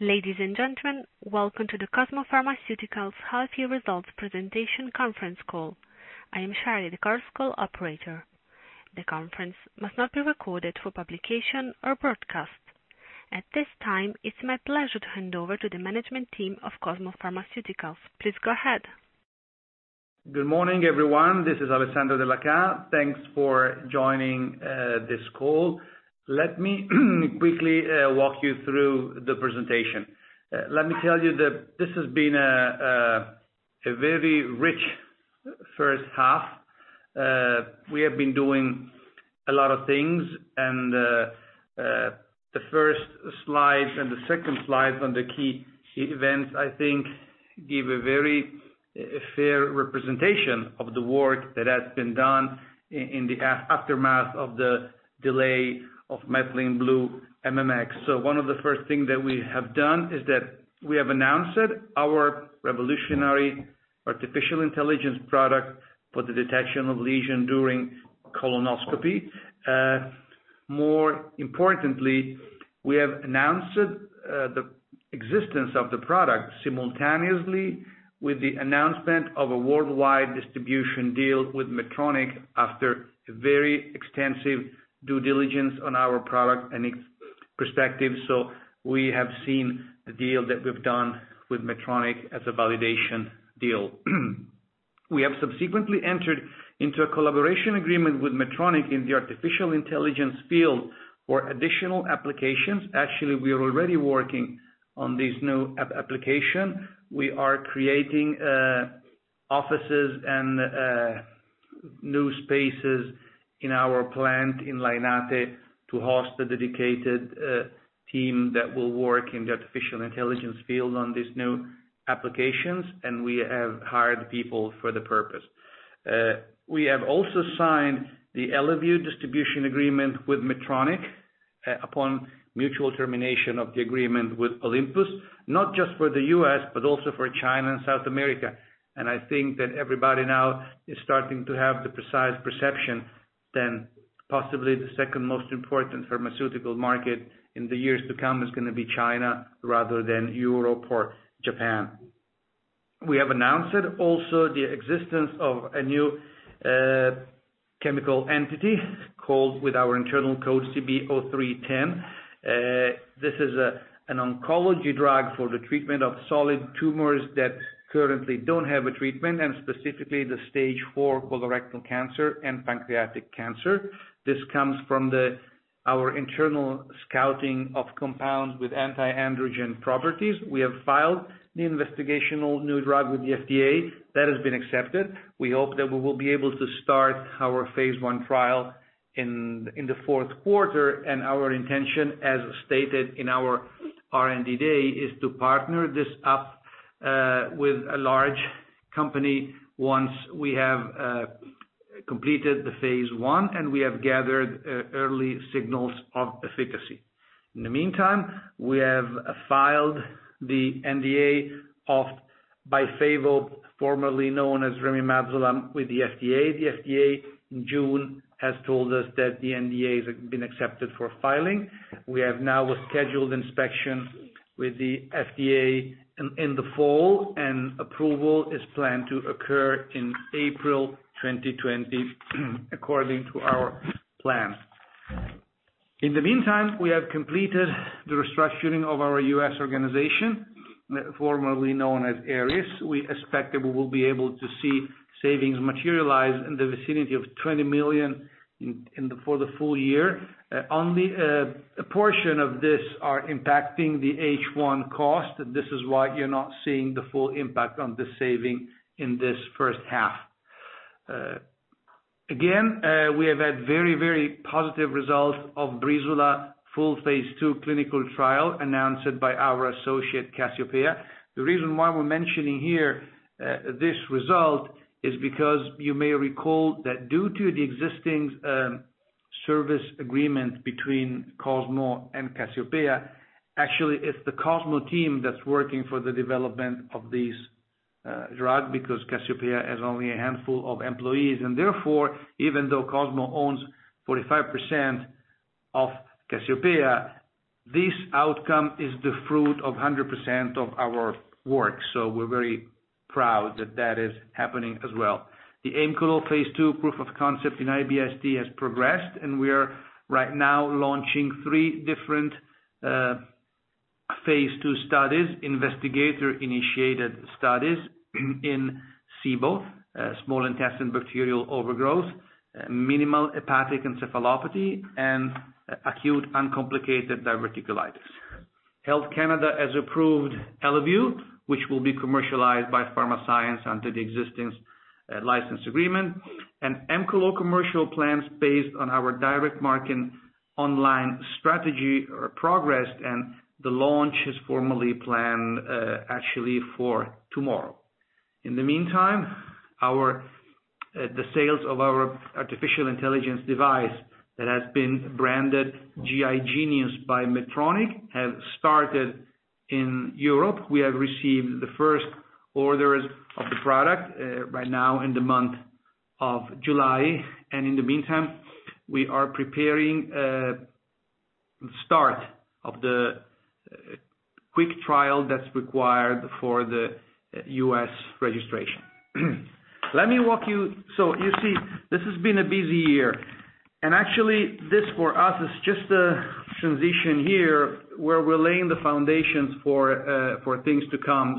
Ladies and gentlemen, welcome to the Cosmo Pharmaceuticals Half Year Results Presentation Conference Call. I am Shari, the conference call operator. The conference must not be recorded for publication or broadcast. At this time, it is my pleasure to hand over to the management team of Cosmo Pharmaceuticals. Please go ahead. Good morning, everyone. This is Alessandro Della Chà. Thanks for joining this call. Let me quickly walk you through the presentation. Let me tell you that this has been a very rich first half. We have been doing a lot of things, the first slide and the second slide on the key events, I think, give a very fair representation of the work that has been done in the aftermath of the delay of Methylene Blue MMX. One of the first things that we have done is that we have announced our revolutionary artificial intelligence product for the detection of lesion during colonoscopy. More importantly, we have announced the existence of the product simultaneously with the announcement of a worldwide distribution deal with Medtronic after very extensive due diligence on our product and its perspective. We have seen the deal that we've done with Medtronic as a validation deal. We have subsequently entered into a collaboration agreement with Medtronic in the artificial intelligence field for additional applications. Actually, we are already working on this new application. We are creating offices and new spaces in our plant in Lainate to host the dedicated team that will work in the artificial intelligence field on these new applications, and we have hired people for the purpose. We have also signed the Eleview distribution agreement with Medtronic upon mutual termination of the agreement with Olympus, not just for the U.S., but also for China and South America. I think that everybody now is starting to have the precise perception that possibly the second most important pharmaceutical market in the years to come is going to be China rather than Europe or Japan. We have announced also the existence of a new chemical entity called with our internal code CB-03-10. This is an oncology drug for the treatment of solid tumors that currently don't have a treatment, and specifically the stage 4 colorectal cancer and pancreatic cancer. This comes from our internal scouting of compounds with anti-androgen properties. We have filed the investigational new drug with the FDA. That has been accepted. We hope that we will be able to start our phase I trial in the fourth quarter. Our intention, as stated in our R&D day, is to partner this up with a large company once we have completed the phase I and we have gathered early signals of efficacy. In the meantime, we have filed the NDA of BYFAVO, formerly known as remimazolam, with the FDA. The FDA in June has told us that the NDA has been accepted for filing. We have now a scheduled inspection with the FDA in the fall, and approval is planned to occur in April 2020, according to our plan. In the meantime, we have completed the restructuring of our U.S. organization, formerly known as Aries. We expect that we will be able to see savings materialize in the vicinity of 20 million for the full year. Only a portion of this are impacting the H1 cost. This is why you're not seeing the full impact on the saving in this first half. Again, we have had very, very positive results of Breezula full phase II clinical trial announced by our associate, Cassiopea. The reason why we're mentioning here this result is because you may recall that due to the existing service agreement between Cosmo and Cassiopea, actually, it's the Cosmo team that's working for the development of this drug because Cassiopea has only a handful of employees. Therefore, even though Cosmo owns 45% of Cassiopea, this outcome is the fruit of 100% of our work. We're very proud that that is happening as well. The Aemcolo phase II proof of concept in IBS-D has progressed, and we are right now launching three different phase II studies, investigator-initiated studies in SIBO, small intestine bacterial overgrowth, minimal hepatic encephalopathy, and acute uncomplicated diverticulitis. Health Canada has approved Eleview, which will be commercialized by Pharmascience under the existing license agreement. Aemcolo commercial plans based on our direct marketing online strategy progressed, and the launch is formally planned actually for tomorrow. In the meantime, the sales of our artificial intelligence device that has been branded GI Genius by Medtronic have started in Europe. We have received the first orders of the product right now in the month of July. In the meantime, we are preparing the start of the quick trial that's required for the U.S. registration. You see, this has been a busy year, and actually, this for us is just a transition year where we're laying the foundations for things to come.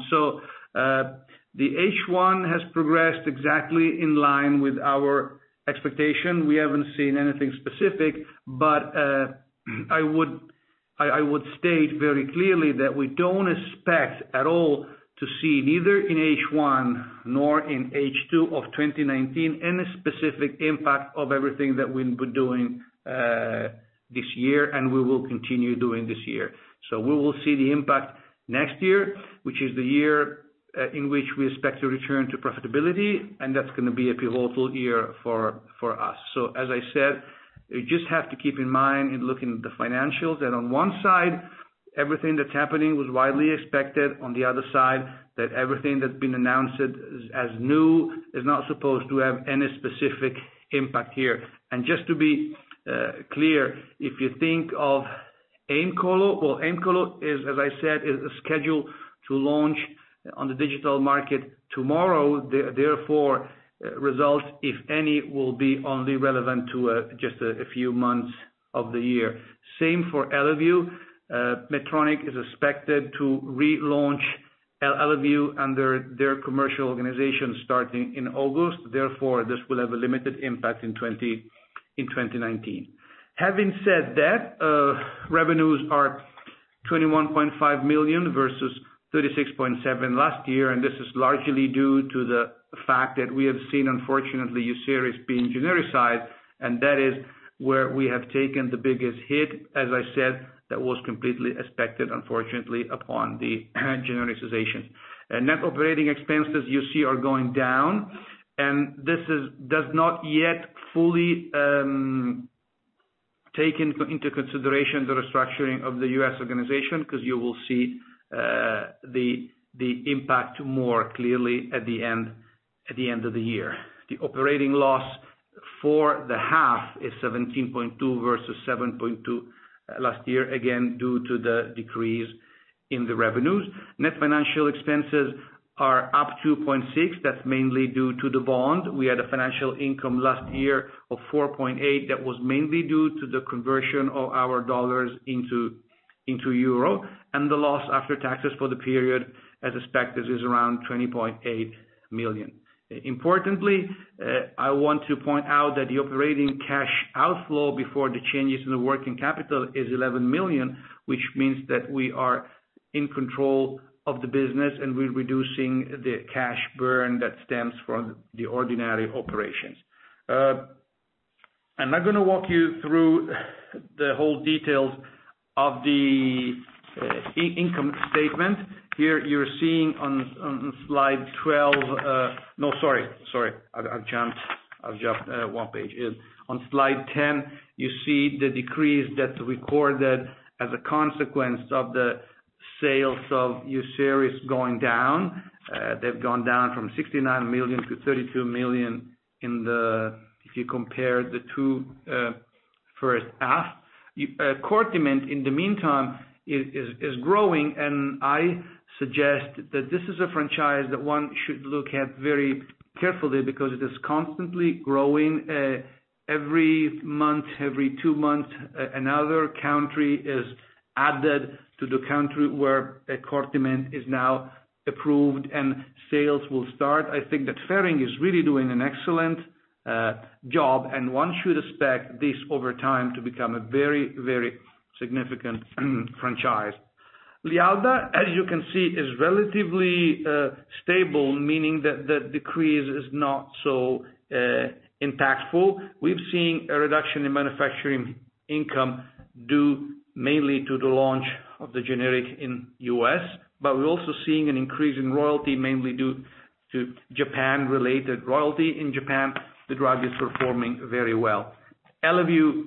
The H1 has progressed exactly in line with our expectation. We haven't seen anything specific. I would state very clearly that we don't expect at all to see, neither in H1 nor in H2 of 2019, any specific impact of everything that we've been doing this year. We will continue doing this year. We will see the impact next year, which is the year in which we expect to return to profitability, and that's going to be a pivotal year for us. As I said, we just have to keep in mind in looking at the financials, that on one side, everything that's happening was widely expected, on the other side, that everything that's been announced as new is not supposed to have any specific impact here. Just to be clear, if you think of Aemcolo, well, Aemcolo, as I said, is scheduled to launch on the digital market tomorrow. Therefore, results, if any, will be only relevant to just a few months of the year. Same for Eleview. Medtronic is expected to relaunch Eleview under their commercial organization starting in August. Therefore, this will have a limited impact in 2019. Having said that, revenues are 21.5 million versus 36.7 million last year. This is largely due to the fact that we have seen, unfortunately, UCERIS being genericized, and that is where we have taken the biggest hit. As I said, that was completely expected, unfortunately, upon the genericization. Net operating expenses, you see, are going down. This does not yet fully take into consideration the restructuring of the U.S. organization, because you will see the impact more clearly at the end of the year. The operating loss for the half is 17.2 million versus 7.2 million last year, again, due to the decrease in the revenues. Net financial expenses are up 2.6 million. That's mainly due to the bond. We had a financial income last year of 4.8 million. That was mainly due to the conversion of our dollars into euros. The loss after taxes for the period, as expected, is around 20.8 million. Importantly, I want to point out that the operating cash outflow before the changes in the working capital is 11 million, which means that we are in control of the business, and we're reducing the cash burn that stems from the ordinary operations. I'm not going to walk you through the whole details of the income statement. Here, you're seeing on slide 12. I've jumped one page. On slide 10, you see the decrease that's recorded as a consequence of the sales of UCERIS going down. They've gone down from 69 million to 32 million if you compare the two first half. CORTIMENT, in the meantime, is growing, and I suggest that this is a franchise that one should look at very carefully because it is constantly growing. Every month, every two months, another country is added to the country where CORTIMENT is now approved and sales will start. I think that Ferring is really doing an excellent job, and one should expect this over time to become a very, very significant franchise. LIALDA, as you can see, is relatively stable, meaning that the decrease is not so impactful. We've seen a reduction in manufacturing income due mainly to the launch of the generic in the U.S., but we're also seeing an increase in royalty, mainly due to Japan-related royalty. In Japan, the drug is performing very well. Eleview,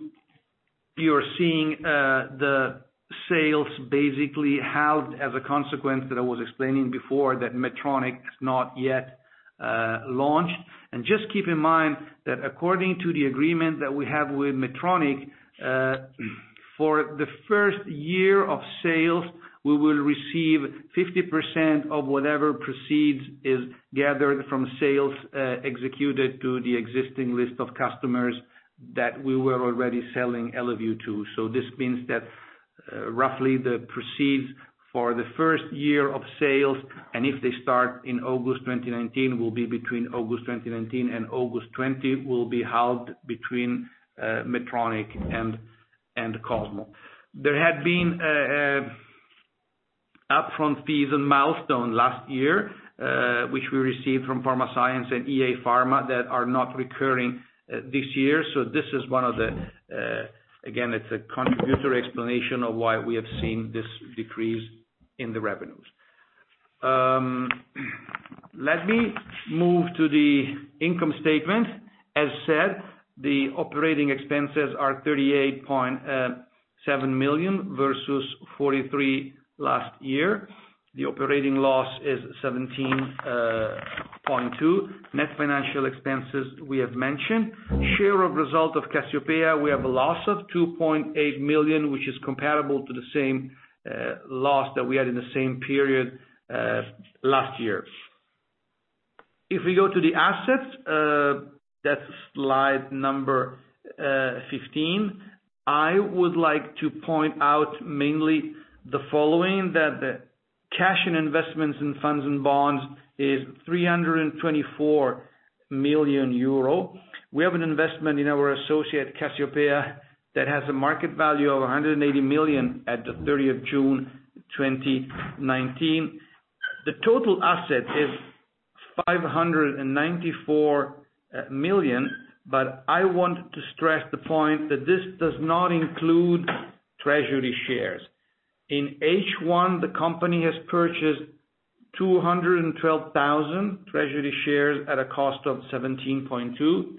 you're seeing the sales basically halved as a consequence that I was explaining before that Medtronic's not yet launched. Just keep in mind that according to the agreement that we have with Medtronic, for the first year of sales, we will receive 50% of whatever proceeds is gathered from sales executed to the existing list of customers that we were already selling Eleview to. This means that roughly the proceeds for the first year of sales, and if they start in August 2019, will be between August 2019 and August 2020, will be halved between Medtronic and Cosmo. There had been upfront fees and milestones last year, which we received from Pharmascience and EA Pharma that are not recurring this year. This is one of the, again, it's a contributor explanation of why we have seen this decrease in the revenues. Let me move to the income statement. As said, the operating expenses are 38.87 million versus 43 million last year. The operating loss is 17.2 million. Net financial expenses, we have mentioned. Share of result of Cassiopea, we have a loss of 2.8 million, which is comparable to the same loss that we had in the same period last year. If we go to the assets, that's slide number 15. I would like to point out mainly the following, that the cash and investments in funds and bonds is 324 million euro. We have an investment in our associate, Cassiopea, that has a market value of 180 million at the 30th June 2019. The total asset is 594 million. I want to stress the point that this does not include treasury shares. In H1, the company has purchased 212,000 treasury shares at a cost of 17.2 million.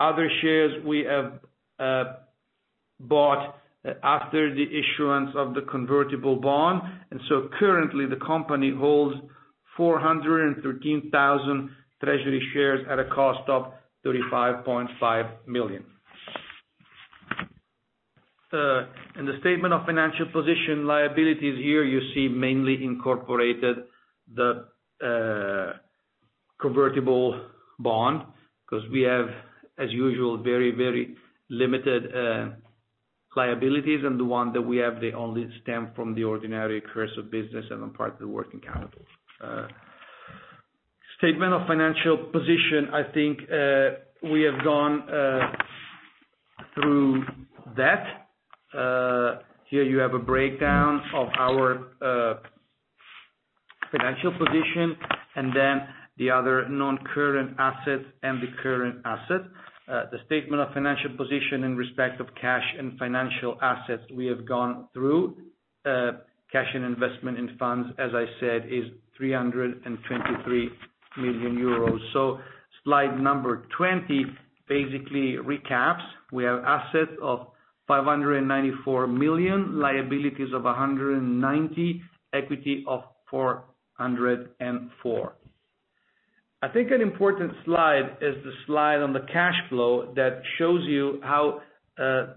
Other shares we have bought after the issuance of the convertible bond. Currently the company holds 413,000 treasury shares at a cost of 35.5 million. In the statement of financial position liabilities here, you see mainly incorporated the convertible bond because we have, as usual, very limited liabilities, and the one that we have, they only stem from the ordinary course of business and on part of the working capital. Statement of financial position, I think, we have gone through that. Here you have a breakdown of our financial position and then the other non-current assets and the current assets. The statement of financial position in respect of cash and financial assets we have gone through. Cash and investment in funds, as I said, is 323 million euros. Slide number 20 basically recaps. We have assets of 594 million, liabilities of 190, equity of 404. I think an important slide is the slide on the cash flow that shows you how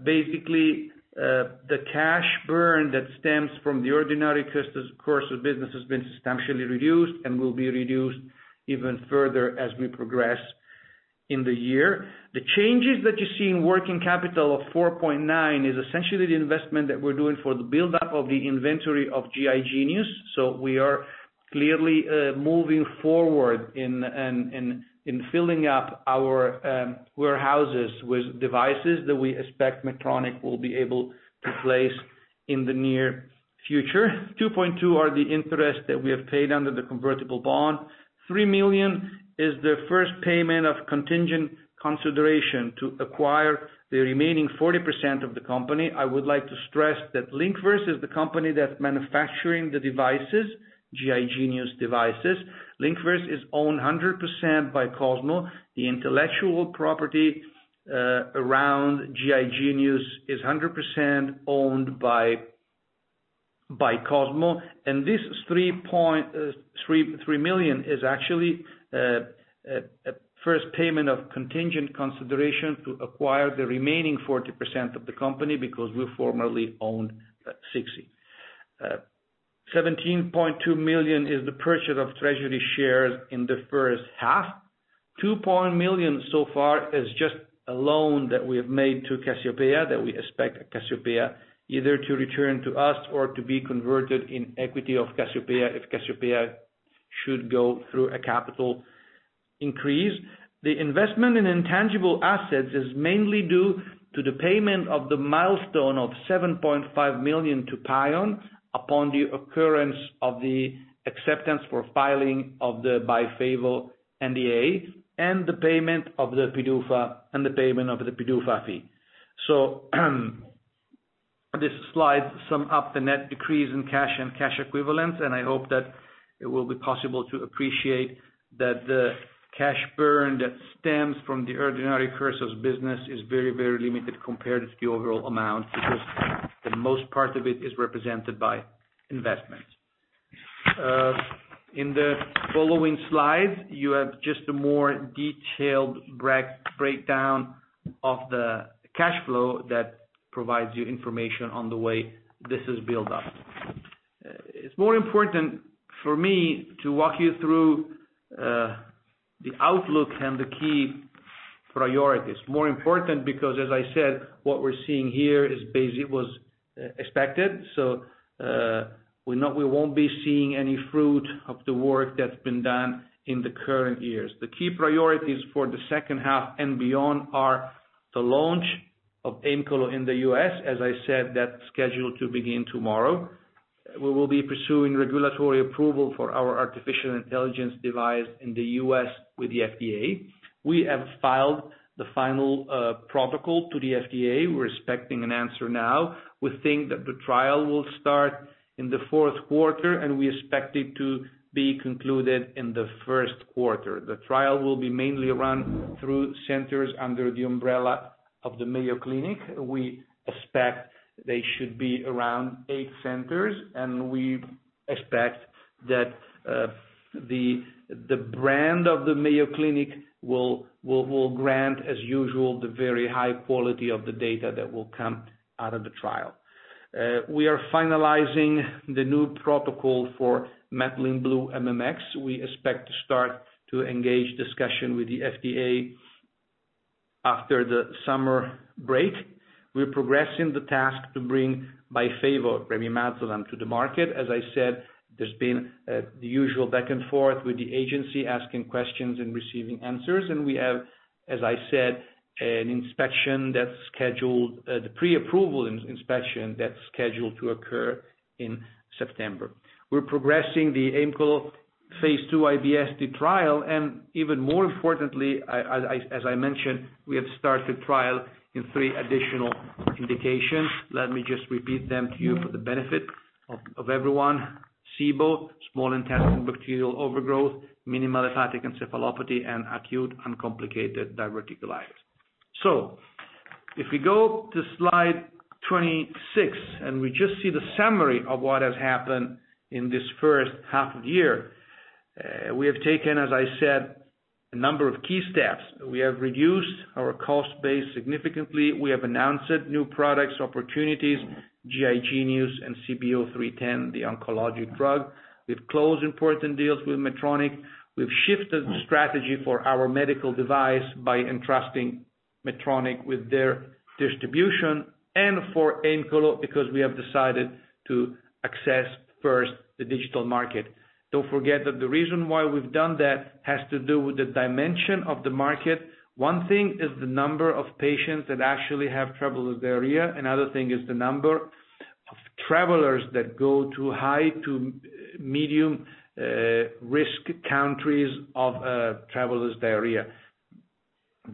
basically, the cash burn that stems from the ordinary course of business has been substantially reduced and will be reduced even further as we progress in the year. The changes that you see in working capital of 4.9 is essentially the investment that we're doing for the buildup of the inventory of GI Genius. We are clearly moving forward in filling up our warehouses with devices that we expect Medtronic will be able to place in the near future. 2.2 are the interest that we have paid under the convertible bond. 3 million is the first payment of contingent consideration to acquire the remaining 40% of the company. I would like to stress that Linkverse is the company that's manufacturing the devices, GI Genius devices. Linkverse is owned 100% by Cosmo. The intellectual property around GI Genius is 100% owned by Cosmo. This 3.3 million is actually a first payment of contingent consideration to acquire the remaining 40% of the company because we formerly owned 60%. 17.2 million is the purchase of treasury shares in the first half. 2 million so far is just a loan that we have made to Cassiopea, that we expect Cassiopea either to return to us or to be converted in equity of Cassiopea if Cassiopea should go through a capital increase. The investment in intangible assets is mainly due to the payment of the milestone of 7.5 million to PAION upon the occurrence of the acceptance for filing of the BYFAVO NDA and the payment of the PDUFA fee. This slide sum up the net decrease in cash and cash equivalents, and I hope that it will be possible to appreciate that the cash burn that stems from the ordinary course of business is very limited compared to the overall amount, because the most part of it is represented by investments. In the following slide, you have just a more detailed breakdown of the cash flow that provides you information on the way this is built up. It's more important for me to walk you through the outlook and the key priorities. More important because, as I said, what we're seeing here was expected. We won't be seeing any fruit of the work that's been done in the current years. The key priorities for the second half and beyond are the launch of Aemcolo in the U.S. As I said, that's scheduled to begin tomorrow. We will be pursuing regulatory approval for our artificial intelligence device in the U.S. with the FDA. We have filed the final protocol to the FDA. We're expecting an answer now. We think that the trial will start in the fourth quarter, and we expect it to be concluded in the first quarter. The trial will be mainly run through centers under the umbrella of the Mayo Clinic. We expect they should be around eight centers, and we expect that the brand of the Mayo Clinic will grant, as usual, the very high quality of the data that will come out of the trial. We are finalizing the new protocol for Methylene Blue MMX. We expect to start to engage discussion with the FDA after the summer break. We're progressing the task to bring BYFAVO, remimazolam to the market. As I said, there's been the usual back and forth with the agency asking questions and receiving answers. We have, as I said, an inspection that's scheduled, the pre-approval inspection that's scheduled to occur in September. We're progressing the Aemcolo phase II IBS-D trial. Even more importantly, as I mentioned, we have started trial in three additional indications. Let me just repeat them to you for the benefit of everyone. SIBO, small intestinal bacterial overgrowth, minimal hepatic encephalopathy, and acute uncomplicated diverticulitis. If we go to slide 26 and we just see the summary of what has happened in this first half of the year. We have taken, as I said, a number of key steps. We have reduced our cost base significantly. We have announced new products, opportunities, GI Genius and CB-03-10, the oncologic drug. We've closed important deals with Medtronic. We've shifted the strategy for our medical device by entrusting Medtronic with their distribution and for Aemcolo because we have decided to access first the digital market. Don't forget that the reason why we've done that has to do with the dimension of the market. One thing is the number of patients that actually have travelers' diarrhea. Another thing is the number of travelers that go to high to medium risk countries of travelers' diarrhea.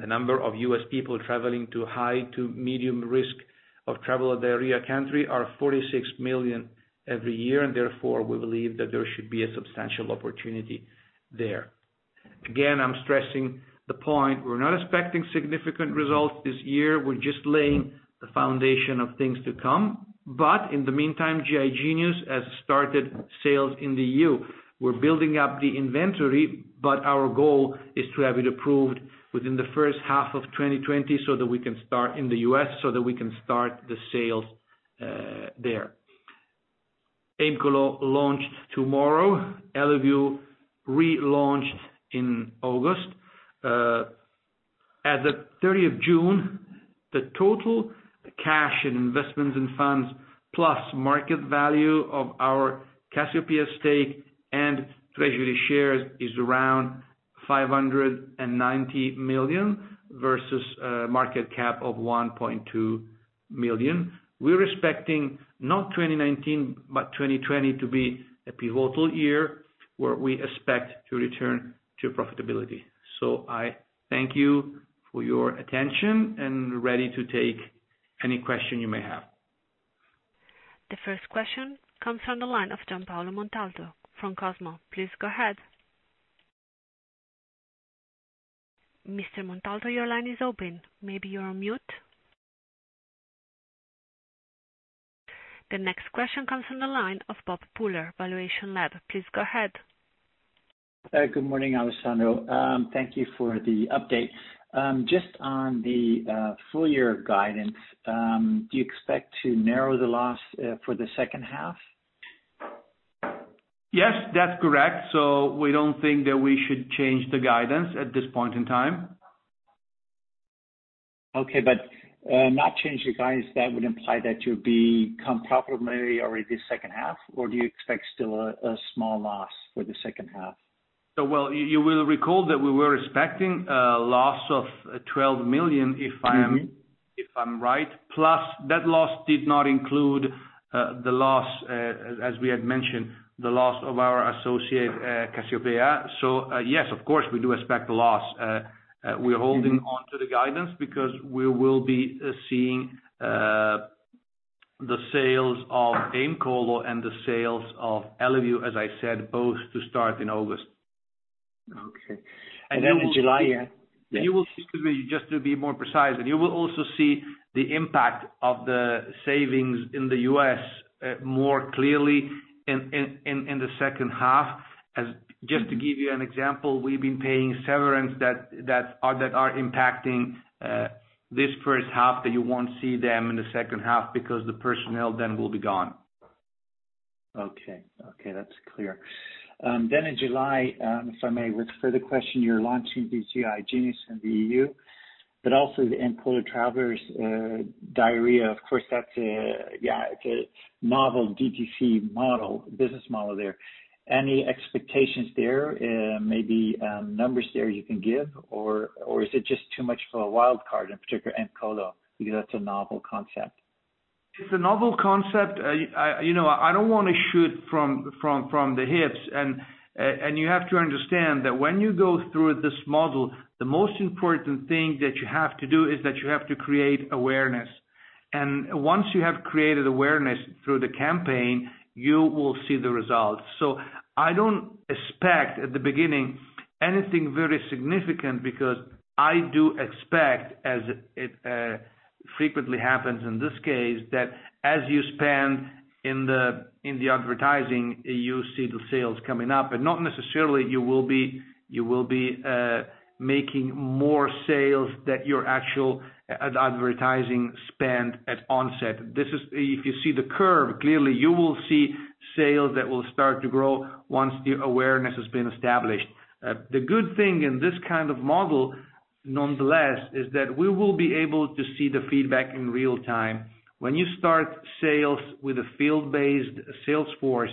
The number of U.S. people traveling to high to medium risk of travelers' diarrhea country are 46 million every year. Therefore, we believe that there should be a substantial opportunity there. Again, I'm stressing the point. We're not expecting significant results this year. We're just laying the foundation of things to come. In the meantime, GI Genius has started sales in the EU. We're building up the inventory, but our goal is to have it approved within the first half of 2020 so that we can start in the U.S., so that we can start the sales there. Aemcolo launch tomorrow. Eleview relaunched in August. As of 30th June, the total cash in investments and funds, plus market value of our Cassiopea stake and treasury shares is around 590 million versus a market cap of 1.2 billion. We're expecting not 2019, but 2020 to be a pivotal year where we expect to return to profitability. I thank you for your attention and I am ready to take any question you may have. The first question comes from the line of Giampaolo Montalto from Cosmo. Please go ahead. Mr. Montalto, your line is open. Maybe you're on mute. The next question comes from the line of Bob Pooler, valuationLAB. Please go ahead. Good morning, Alessandro. Thank you for the update. Just on the full year guidance, do you expect to narrow the loss for the second half? Yes, that's correct. We don't think that we should change the guidance at this point in time. Okay. Not change the guidance, that would imply that you'll become profitable maybe already second half, or do you expect still a small loss for the second half? Well, you will recall that we were expecting a loss of 12 million, if I'm right. That loss did not include, as we had mentioned, the loss of our associate, Cassiopea. Yes, of course, we do expect a loss. We're holding onto the guidance because we will be seeing the sales of Aemcolo and the sales of Eleview, as I said, both to start in August. Okay. Then in July, yeah. Just to be more precise, you will also see the impact of the savings in the U.S. more clearly in the second half. Just to give you an example, we've been paying severance that are impacting this first half, that you won't see them in the second half because the personnel then will be gone. Okay. That's clear. In July, if I may, with further question, you're launching the GI Genius in the E.U., but also the Aemcolo traveler's diarrhea. Of course, that's a novel DTC model there. Any expectations there? Maybe numbers there you can give, or is it just too much of a wild card in particular in Aemcolo because that's a novel concept? It's a novel concept. I don't want to shoot from the hips. You have to understand that when you go through this model, the most important thing that you have to do is that you have to create awareness. Once you have created awareness through the campaign, you will see the results. I don't expect at the beginning anything very significant because I do expect, as it frequently happens in this case, that as you spend in the advertising, you see the sales coming up, but not necessarily you will be making more sales that your actual advertising spend at onset. If you see the curve, clearly you will see sales that will start to grow once the awareness has been established. The good thing in this kind of model, nonetheless, is that we will be able to see the feedback in real time. When you start sales with a field-based sales force,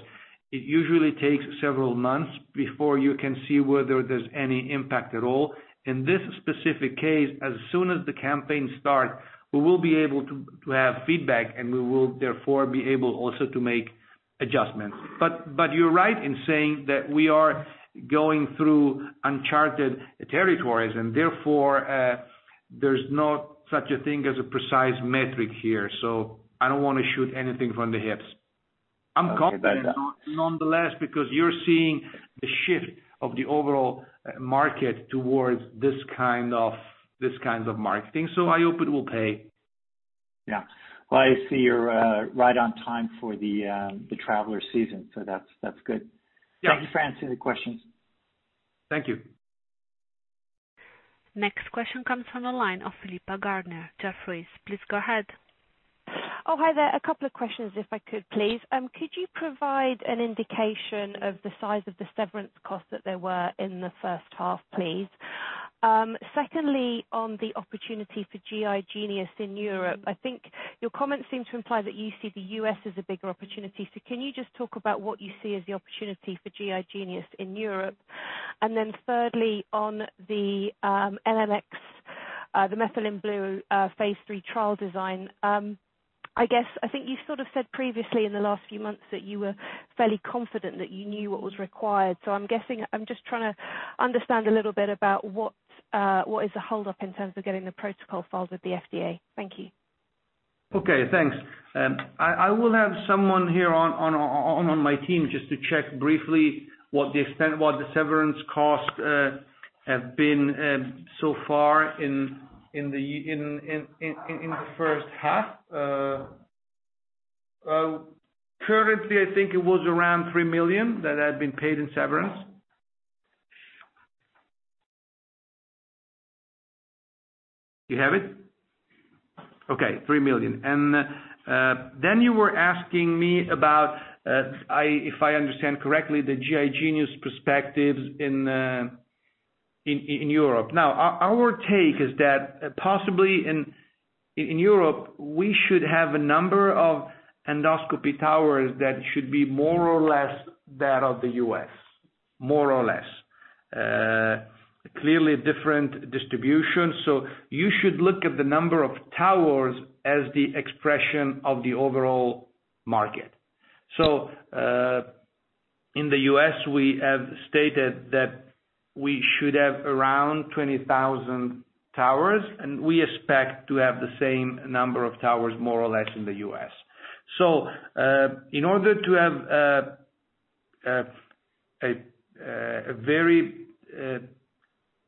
it usually takes several months before you can see whether there's any impact at all. In this specific case, as soon as the campaign start, we will be able to have feedback, and we will therefore be able also to make adjustments. You're right in saying that we are going through uncharted territories and therefore, there's no such a thing as a precise metric here. I don't want to shoot anything from the hips. Okay. I'm confident nonetheless because you're seeing the shift of the overall market towards these kinds of marketing. I hope it will pay. Yeah. Well, I see you're right on time for the traveler season, so that's good. Yeah. Thank you for answering the questions. Thank you. Next question comes from the line of Philippa Gardner, Jefferies. Please go ahead. Oh, hi there. A couple of questions if I could, please. Could you provide an indication of the size of the severance costs that there were in the first half, please? Secondly, on the opportunity for GI Genius in Europe, I think your comments seem to imply that you see the U.S. as a bigger opportunity. Can you just talk about what you see as the opportunity for GI Genius in Europe? Thirdly, on the MMX, the methylene blue phase III trial design. I think you sort of said previously in the last few months that you were fairly confident that you knew what was required. I'm guessing, I'm just trying to understand a little bit about what is the hold up in terms of getting the protocol filed with the FDA. Thank you. Okay, thanks. I will have someone here on my team just to check briefly what the severance costs have been so far in the first half. Currently, I think it was around 3 million that had been paid in severance. You have it? Okay, 3 million. Then you were asking me about, if I understand correctly, the GI Genius perspectives in Europe. Now, our take is that possibly in Europe, we should have a number of endoscopy towers that should be more or less that of the U.S. More or less. Clearly different distribution. You should look at the number of towers as the expression of the overall market. In the U.S., we have stated that we should have around 20,000 towers, and we expect to have the same number of towers, more or less in the U.S. In order to have a very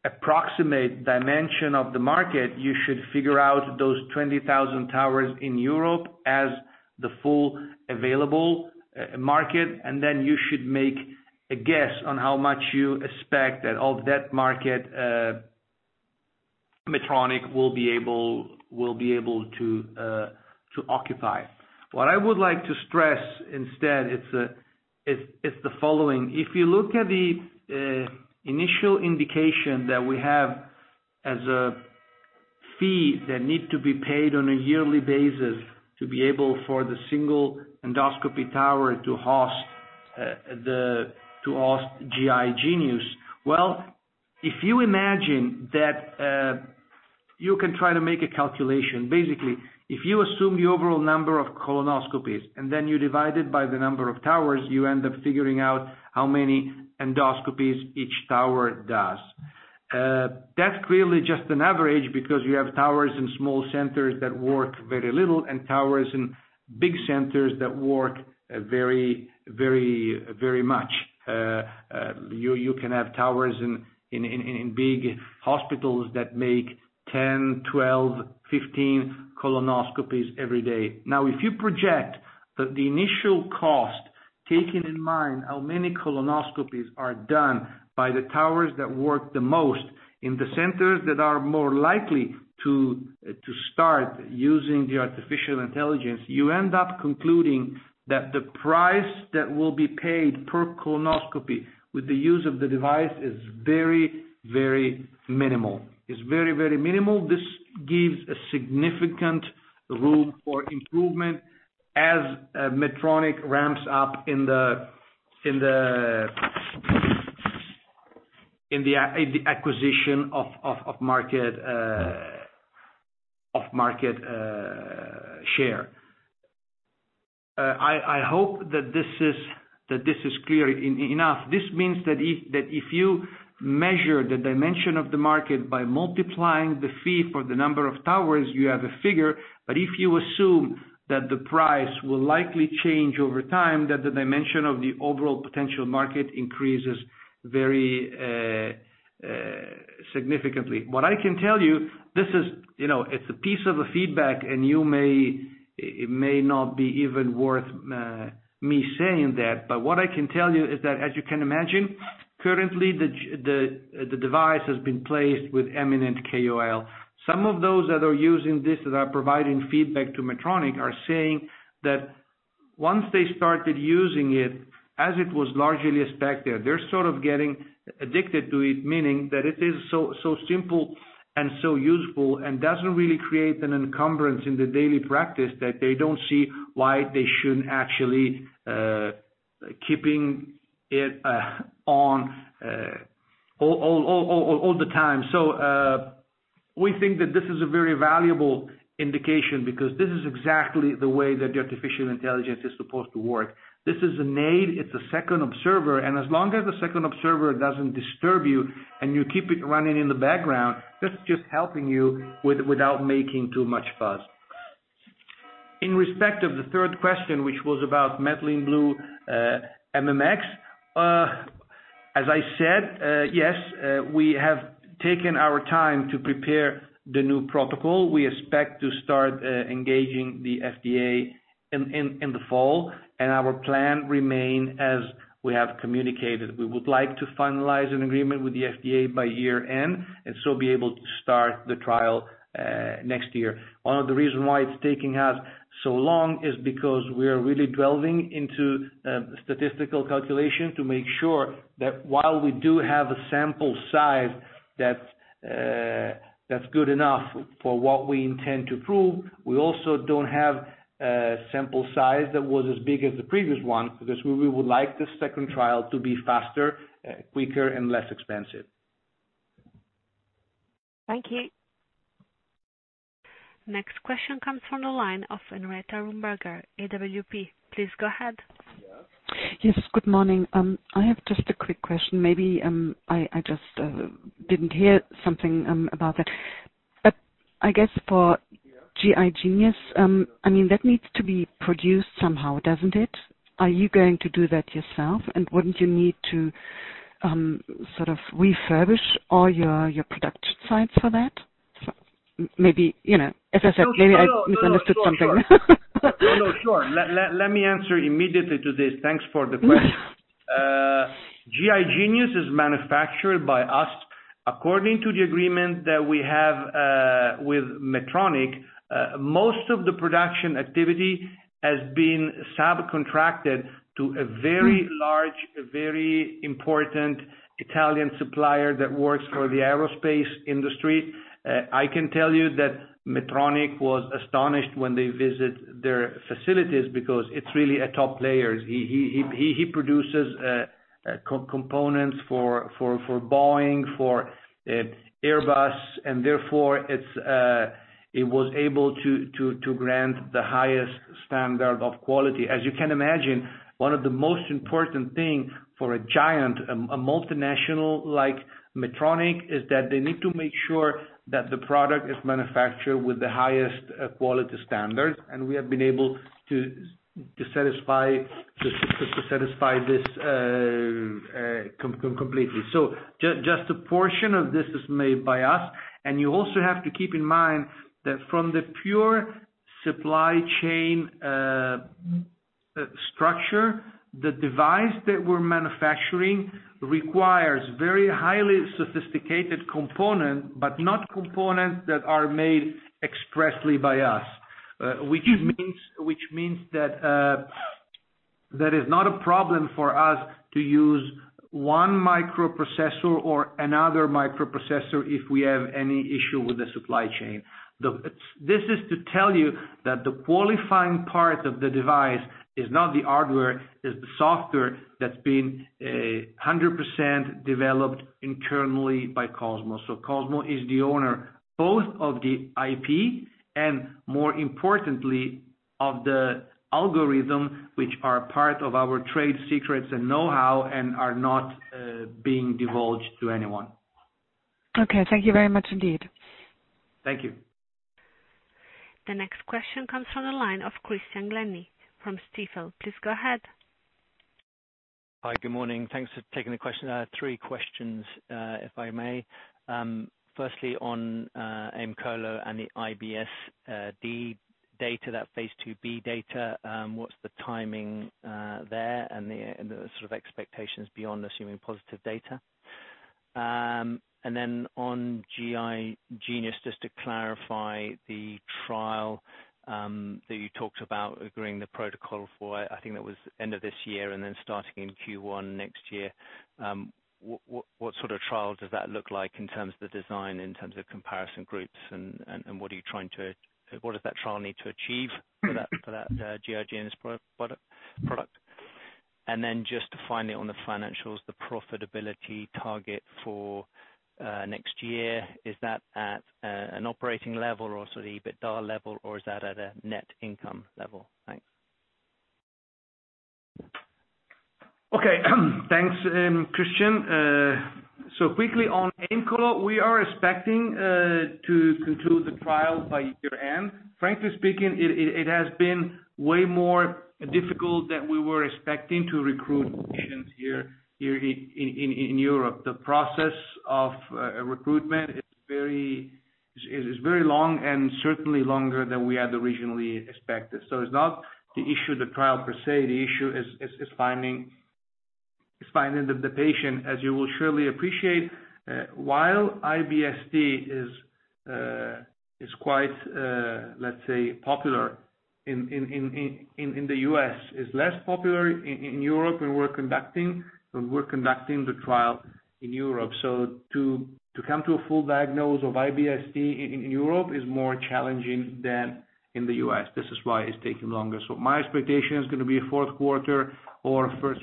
approximate dimension of the market, you should figure out those 20,000 towers in Europe as the full available market, and then you should make a guess on how much you expect that of that market Medtronic will be able to occupy. What I would like to stress instead, it's the following. If you look at the initial indication that we have as a fee that need to be paid on a yearly basis to be able for the single endoscopy tower to host GI Genius. If you imagine that you can try to make a calculation. Basically, if you assume the overall number of colonoscopies, and then you divide it by the number of towers, you end up figuring out how many endoscopies each tower does. That's clearly just an average because you have towers in small centers that work very little and towers in big centers that work very much. You can have towers in big hospitals that make 10, 12, 15 colonoscopies every day. If you project that the initial cost, taking in mind how many colonoscopies are done by the towers that work the most in the centers that are more likely to start using the artificial intelligence, you end up concluding that the price that will be paid per colonoscopy with the use of the device is very minimal. This gives a significant room for improvement as Medtronic ramps up in the acquisition of market share. I hope that this is clear enough. This means that if you measure the dimension of the market by multiplying the fee for the number of towers, you have a figure. If you assume that the price will likely change over time, that the dimension of the overall potential market increases very significantly. What I can tell you, it's a piece of a feedback, and it may not be even worth me saying that, what I can tell you is that as you can imagine, currently the device has been placed with eminent KOL. Some of those that are using this, that are providing feedback to Medtronic, are saying that once they started using it, as it was largely expected, they're sort of getting addicted to it, meaning that it is so simple and so useful, and doesn't really create an encumbrance in the daily practice that they don't see why they shouldn't actually keeping it on all the time. We think that this is a very valuable indication because this is exactly the way that the artificial intelligence is supposed to work. This is an aid, it's a second observer, and as long as the second observer doesn't disturb you and you keep it running in the background, that's just helping you without making too much fuss. In respect of the third question, which was about Methylene Blue MMX. As I said, yes, we have taken our time to prepare the new protocol. We expect to start engaging the FDA in the fall, and our plan remain as we have communicated. We would like to finalize an agreement with the FDA by year-end, and so be able to start the trial next year. One of the reason why it's taking us so long is because we are really delving into statistical calculation to make sure that while we do have a sample size that's good enough for what we intend to prove, we also don't have a sample size that was as big as the previous one, because we would like the second trial to be faster, quicker, and less expensive. Thank you. Next question comes from the line of Henrietta Rumberger, AWP. Please go ahead. Yes, good morning. I have just a quick question. Maybe, I just didn't hear something about that. I guess for GI Genius, that needs to be produced somehow, doesn't it? Are you going to do that yourself? Wouldn't you need to sort of refurbish all your production sites for that? As I said, maybe I misunderstood something. No, no. Sure. Let me answer immediately to this. Thanks for the question. GI Genius is manufactured by us. According to the agreement that we have with Medtronic, most of the production activity has been subcontracted to a very large, a very important Italian supplier that works for the aerospace industry. I can tell you that Medtronic was astonished when they visit their facilities because it's really a top player. Therefore it was able to grant the highest standard of quality. As you can imagine, one of the most important thing for a giant, a multinational like Medtronic, is that they need to make sure that the product is manufactured with the highest quality standard, and we have been able to satisfy this completely. Just a portion of this is made by us, and you also have to keep in mind that from the pure supply chain structure, the device that we're manufacturing requires very highly sophisticated component, but not components that are made expressly by us. Which means that is not a problem for us to use one microprocessor or another microprocessor if we have any issue with the supply chain. This is to tell you that the qualifying part of the device is not the hardware, it's the software that's been 100% developed internally by Cosmo. Cosmo is the owner, both of the IP and more importantly, of the algorithm, which are part of our trade secrets and knowhow and are not being divulged to anyone. Okay. Thank you very much indeed. Thank you. The next question comes from the line of Christian Glennie from Stifel. Please go ahead. Hi, good morning. Thanks for taking the question. Three questions, if I may. Firstly on Aemcolo and the IBS-D data, that phase IIb data, what's the timing there and the sort of expectations beyond assuming positive data? Then on GI Genius, just to clarify the trial that you talked about agreeing the protocol for, I think that was end of this year and then starting in Q1 next year. What sort of trial does that look like in terms of the design, in terms of comparison groups, and what does that trial need to achieve for that GI Genius product? Then just to finally on the financials, the profitability target for next year, is that at an operating level or sort of EBITDA level or is that at a net income level? Thanks. Okay. Thanks, Christian. Quickly on Aemcolo, we are expecting to conclude the trial by year-end. Frankly speaking, it has been way more difficult than we were expecting to recruit patients here in Europe. The process of recruitment is very long and certainly longer than we had originally expected. It's not the issue of the trial per se, the issue is finding the patient, as you will surely appreciate. While IBS-D is quite, let's say, popular in the U.S., it's less popular in Europe, and we're conducting the trial in Europe. To come to a full diagnosis of IBS-D in Europe is more challenging than in the U.S. This is why it's taking longer. My expectation is it's going to be a fourth quarter or first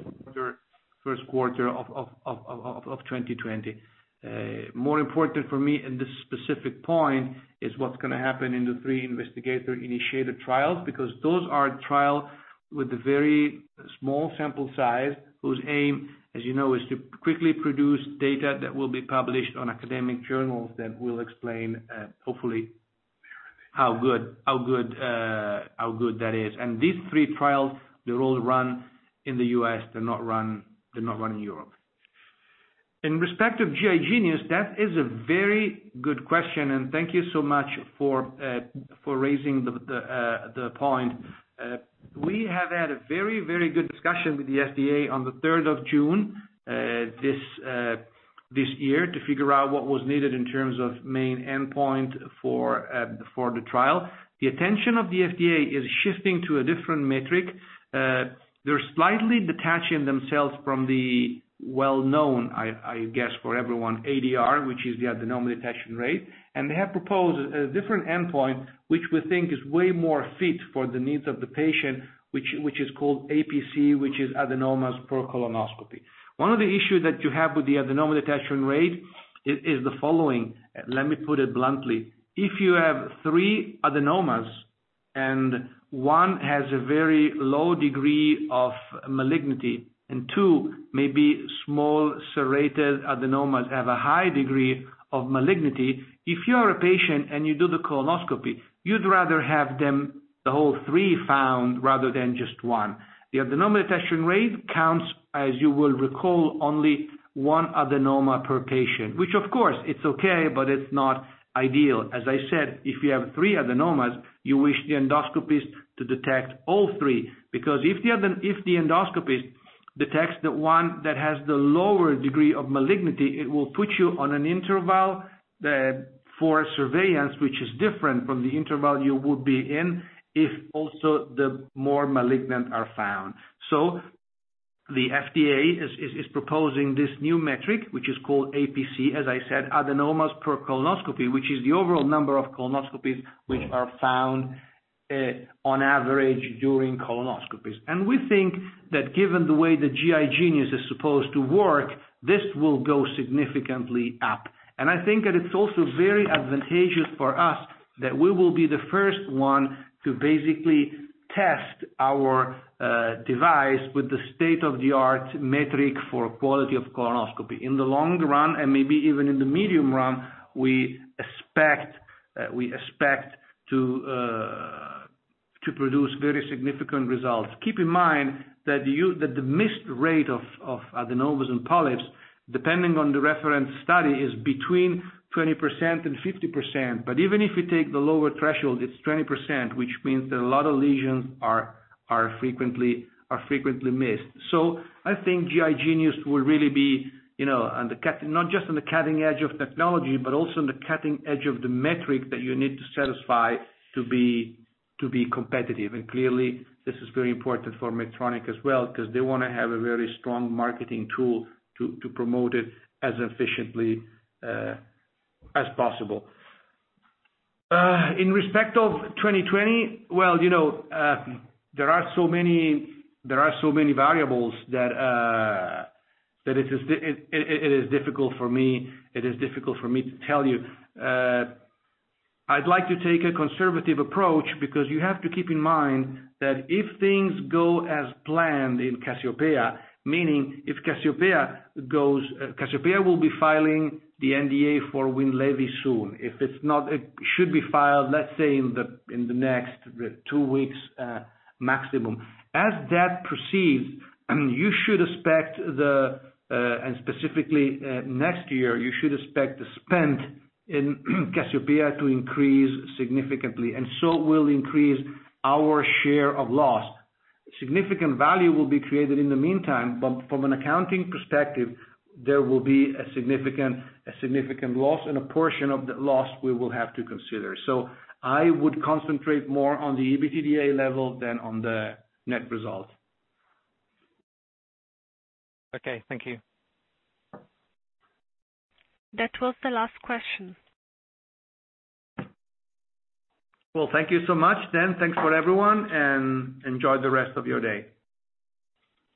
quarter of 2020. More important for me in this specific point is what's going to happen in the three investigator-initiated trials, because those are trial with a very small sample size, whose aim, as you know, is to quickly produce data that will be published on academic journals that will explain, hopefully, how good that is. These three trials, they're all run in the U.S., they're not run in Europe. In respect of GI Genius, that is a very good question, and thank you so much for raising the point. We have had a very good discussion with the FDA on the 3rd of June this year to figure out what was needed in terms of main endpoint for the trial. The attention of the FDA is shifting to a different metric. They're slightly detaching themselves from the well-known, I guess, for everyone, ADR, which is the adenoma detection rate. They have proposed a different endpoint, which we think is way more fit for the needs of the patient, which is called APC, which is adenomas per colonoscopy. One of the issues that you have with the adenoma detection rate is the following. Let me put it bluntly. If you have three adenomas and one has a very low degree of malignity, and two, maybe small serrated adenomas have a high degree of malignity, if you are a patient and you do the colonoscopy, you'd rather have them, the whole three found rather than just one. The adenoma detection rate counts, as you will recall, only one adenoma per patient, which of course it's okay, but it's not ideal. As I said, if you have three adenomas, you wish the endoscopist to detect all three, because if the endoscopist detects the one that has the lower degree of malignity, it will put you on an interval for surveillance, which is different from the interval you would be in if also the more malignant are found. The FDA is proposing this new metric, which is called APC, as I said, adenomas per colonoscopy, which is the overall number of colonoscopies which are found on average during colonoscopies. We think that given the way the GI Genius is supposed to work, this will go significantly up. I think that it's also very advantageous for us that we will be the first one to basically test our device with the state-of-the-art metric for quality of colonoscopy. In the long run, and maybe even in the medium run, we expect to produce very significant results. Keep in mind that the missed rate of adenomas and polyps, depending on the reference study, is between 20% and 50%. Even if you take the lower threshold, it's 20%, which means that a lot of lesions are frequently missed. I think GI Genius will really be not just on the cutting edge of technology, but also on the cutting edge of the metric that you need to satisfy to be competitive. Clearly, this is very important for Medtronic as well, because they want to have a very strong marketing tool to promote it as efficiently as possible. In respect of 2020, well, there are so many variables that it is difficult for me to tell you. I'd like to take a conservative approach because you have to keep in mind that if things go as planned in Cassiopea, meaning if Cassiopea will be filing the NDA for Winlevi soon. If it's not, it should be filed, let's say, in the next two weeks maximum. As that proceeds, you should expect and specifically next year, you should expect the spend in Cassiopea to increase significantly, so will increase our share of loss. Significant value will be created in the meantime, from an accounting perspective, there will be a significant loss, and a portion of that loss we will have to consider. I would concentrate more on the EBITDA level than on the net result. Okay. Thank you. That was the last question. Thank you so much then. Thanks for everyone. Enjoy the rest of your day.